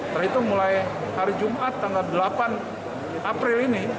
terhitung mulai hari jumat tanggal delapan april ini